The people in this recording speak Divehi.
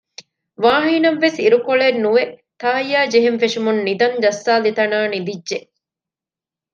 ވާހިންނަށްވެސް އިރުކޮޅެއްނުވެ ތާއްޔާޖެހެން ފެށުމުން ނިދަން ޖައްސާލިތަނާ ނިދިއްޖެ